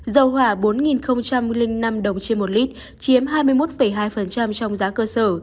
dầu hỏa bốn năm đồng trên một lít chiếm hai mươi một hai trong giá cơ sở